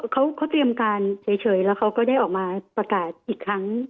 เขาเตรียมการเฉยแล้วเขาก็ได้ออกมาประกาศอีกครั้ง